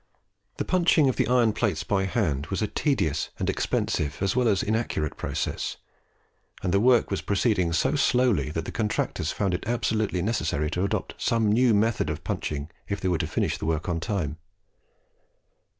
The punching of the iron plates by hand was a tedious and expensive as well as an inaccurate process; and the work was proceeding so slowly that the contractors found it absolutely necessary to adopt some new method of punching if they were to finish the work in time.